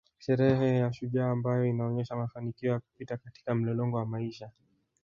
Sherehe ya shujaa ambayo inaonesha mafanikio ya kupita katika mlolongo wa maisha